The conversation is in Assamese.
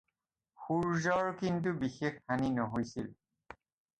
সূৰ্য্যৰ কিন্তু বিশেষ হানি নহৈছিল।